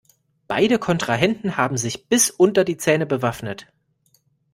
Beide Kontrahenten haben sich bis unter die Zähne bewaffnet.